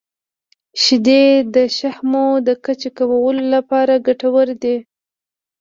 • شیدې د شحمو د کچې کمولو لپاره ګټورې دي.